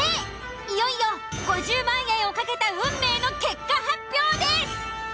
いよいよ５０万円を懸けた運命の結果発表です！